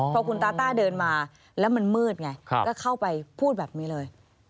พอคุณตาต้าเดินมาแล้วมันมืดไงก็เข้าไปพูดแบบนี้เลย